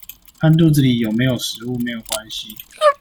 和肚子裡有沒有食物沒有關係